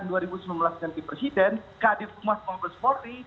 nanti presiden kadir pumas maulid spori